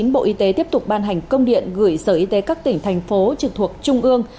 đoàn hành công điện gửi sở y tế các tỉnh thành phố trực thuộc trung ương